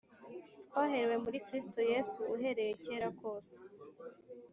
Twaherewe muri kristo yesu uhereye kera kose